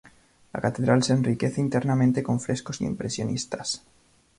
La catedral se enriquece internamente con frescos impresionistas.